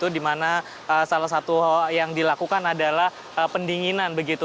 di mana salah satu yang dilakukan adalah pendinginan begitu